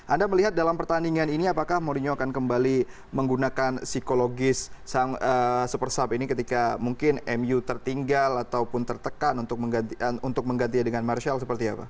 anda melihat dalam pertandingan ini apakah mourinho akan kembali menggunakan psikologis super sub ini ketika mungkin mu tertinggal ataupun tertekan untuk menggantinya dengan martial seperti apa